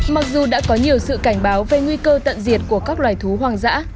mặc dù đã có nhiều sự cảnh báo về nguy cơ tận diệt của các loài thú hoang dã